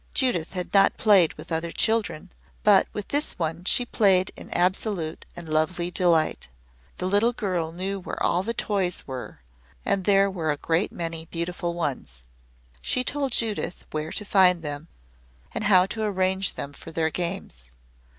Judith had not played with other children, but with this one she played in absolute and lovely delight. The little girl knew where all the toys were, and there were a great many beautiful ones. She told Judith where to find them and how to arrange them for their games.